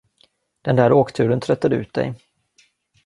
Den där åkturen tröttade ut dig.